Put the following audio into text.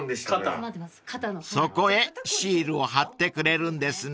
［そこへシールを貼ってくれるんですね］